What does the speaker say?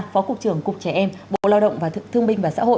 phó cục trưởng cục trẻ em bộ lao động thương minh và xã hội